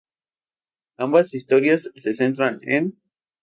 Ambas historias se centran en.